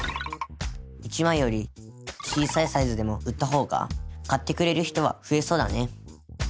１枚より小さいサイズでも売ったほうが買ってくれる人は増えそうだね。